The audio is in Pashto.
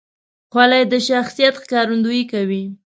خولۍ د شخصیت ښکارندویي کوي.